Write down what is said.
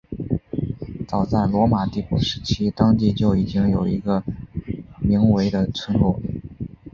早在罗马帝国时期当地就已经有一个名为的村落。